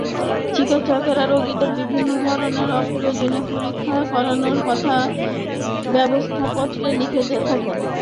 চিকিৎসকেরা রোগীদের বিভিন্ন ধরনের অপ্রয়োজনীয় পরীক্ষা করানোর কথা ব্যবস্থাপত্রে লিখে থাকেন।